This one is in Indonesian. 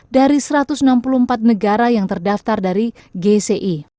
dari satu ratus enam puluh empat negara yang terdaftar dari gci